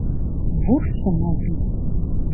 — Вурсо мыйым!